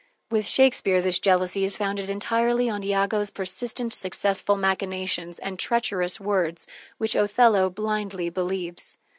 With Shakespeare, this jealousy is founded entirely on Iago's persistent, successful machinations and treacherous words, which Othello blindly believes.